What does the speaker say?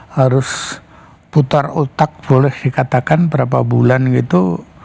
harus putar otak boleh dikatakan berapa bulan gitu